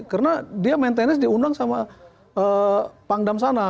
karena dia main tenis diundang sama pangdam sana